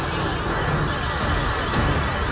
kita harus menghubungi